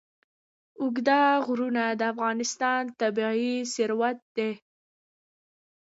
اوږده غرونه د افغانستان طبعي ثروت دی.